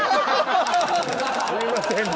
すいませんね